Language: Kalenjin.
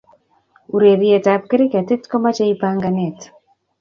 ureriet ap kriketit komochei panganet